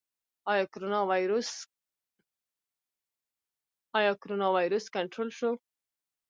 آیا کرونا ویروس کنټرول شو؟